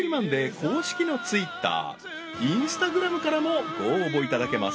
公式のＴｗｉｔｔｅｒＩｎｓｔａｇｒａｍからもご応募いただけます